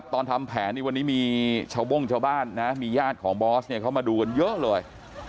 ตอนทำแผนวันนี้มีเฉาบ้านเจ้าบ้านย่าดบอสเขามาดูกันเยอะเลย